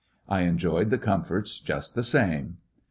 I enjoyed the comforts just the same.